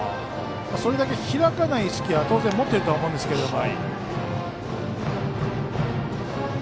それだけ開かない意識は当然持っていると思うんですけど。